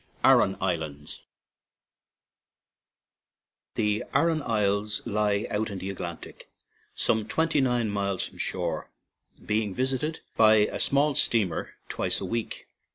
ARAN ISLANDS THE Aran Isles lie out in the Atlantic, some twenty nine miles from shore, being visited by a small steamer twice a week.